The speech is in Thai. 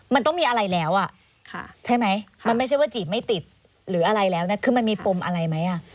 มันต้องมีอะไรแล้วอ่ะใช่ไหมมันไม่ใช่ว่าจีบไม่ติดหรืออะไรแล้วนะคือมันมีปมอะไรไหมอ่ะ